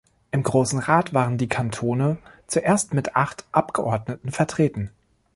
Im Grossen Rat waren die Kantone zuerst mit acht Abgeordneten vertreten.